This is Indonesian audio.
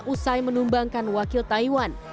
usai menumbangkan wakil taiwan